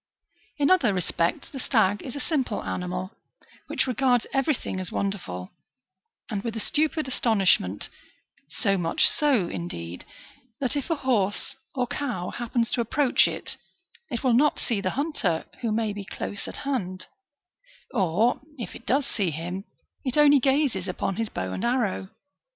^3 In other respects the stag is a simple animal, which regards every thing as wonderful, and with a stupid astonishment ; so much so, indeed, that if a horse or cow happens to approach it, it will not see the hunter, who may be close at hand, or, if it does see him, it onlj gazes upon his bow and arrow.